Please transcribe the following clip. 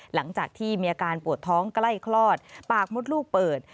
หลังจากที่มีอาการปวดท้องใกล้คลอดปากมดลูกเปิด